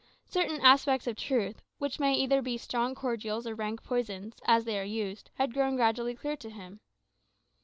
Certain aspects of truth, which may be either strong cordials or rank poisons, as they are used, had grown gradually clear to him.